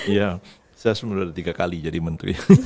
ya saya sebenarnya sudah tiga kali jadi menteri